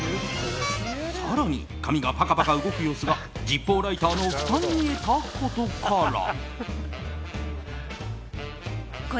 更に、髪がパカパカ動く様子がジッポーライターのふたに見えたことから。